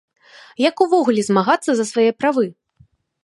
Як увогуле змагацца за свае правы?